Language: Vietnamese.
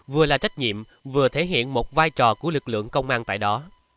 vừa là trách nhiệm vừa thể hiện một vai trò của lực lượng công an tại đó